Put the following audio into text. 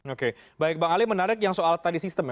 oke baik bang ali menarik yang soal tadi sistem ya